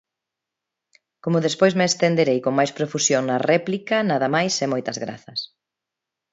Como despois me estenderei con máis profusión na réplica, nada máis e moitas grazas.